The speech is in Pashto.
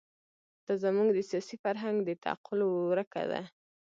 دا زموږ د سیاسي فرهنګ د تعقل ورکه ده.